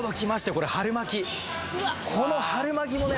これこの春巻きもね